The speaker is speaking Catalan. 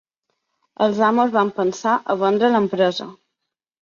Els amos van pensar a vendre l'empresa.